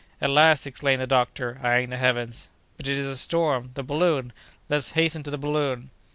"At last!" exclaimed the doctor, eying the heavens. "But it is a storm! The balloon! Let us hasten to the balloon!"